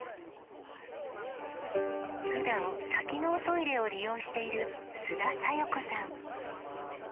ふだん、多機能トイレを利用している、須田紗代子さん。